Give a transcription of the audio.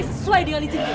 sesuai dengan izinmu